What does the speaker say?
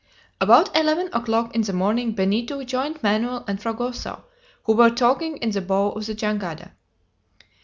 About eleven o'clock in the morning Benito joined Manoel and Fragoso, who were talking in the bow of the jangada.